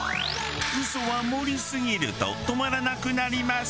嘘は盛りすぎると止まらなくなります。